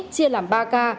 chia làm ba ca